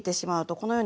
このように。